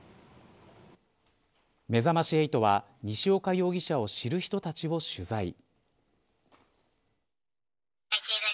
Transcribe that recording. めざまし８は西岡容疑者を知る人たちを取材。